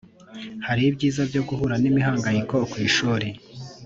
hari ibyiza byo guhura n’imihanganyiko ku ishuri